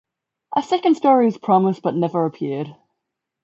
A second story was promised, but never appeared.